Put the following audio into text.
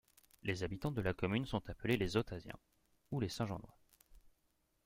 Les habitants de la commune sont appelés les Atauziens ou les Saint-Jeannois.